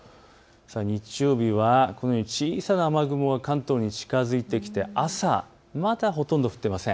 日曜日はこのように小さな雨雲、関東に近づいてきて朝、まだほとんど降っていません。